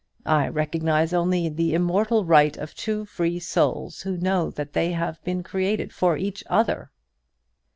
I recognize only the immortal right of two free souls, who know that they have been created for each other."